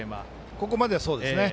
ここまではそうですね。